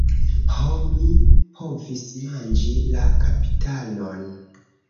Ho, mi povis manĝi la kapitanon.